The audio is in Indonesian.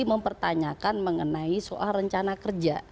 mempertanyakan mengenai soal rencana kerja